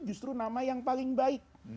justru nama yang paling baik